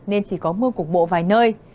nên chỉ có mưa cục bộ vài nơi